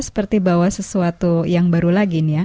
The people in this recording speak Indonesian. seperti bawa sesuatu yang baru lagi